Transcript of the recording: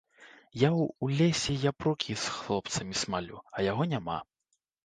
Я ў лесе япрукі з хлопцамі смалю, а яго няма.